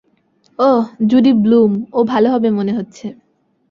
ওহ, Judy Blume ও ভালো হবে মনে হচ্ছে।